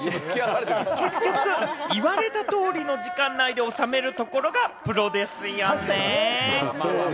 結局言われた通りの時間内で収めるところがプロですよね。